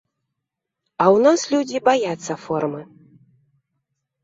А ў нас людзі баяцца формы.